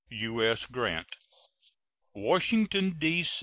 U.S. GRANT. WASHINGTON, D.